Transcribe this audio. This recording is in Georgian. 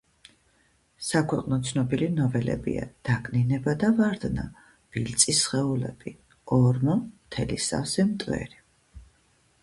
საქვეყნოდ ცნობილი ნოველებია: „დაკნინება და ვარდნა“, „ბილწი სხეულები“, ორმო, „მთელი სავსე მტვერი“.